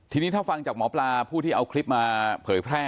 ทีนี้ถ้าฟังจากหมอปลาผู้ที่เอาคลิปมาเผยแพร่